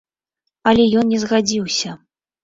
Але ён не згадзіўся.